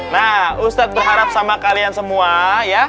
nah ustadz berharap sama kalian semua ya